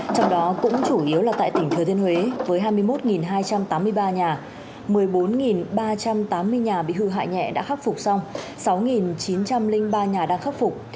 trong đó cũng chủ yếu là tại tỉnh thừa thiên huế với hai mươi một hai trăm tám mươi ba nhà một mươi bốn ba trăm tám mươi nhà bị hư hại nhẹ đã khắc phục xong sáu chín trăm linh ba nhà đang khắc phục